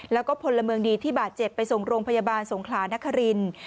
แล้วก็พลเมืองดีที่บาดเจ็บไปส่งโรงพยาบาลสงขลานครินทร์